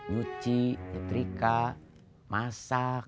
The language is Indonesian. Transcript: nyuci setrika masak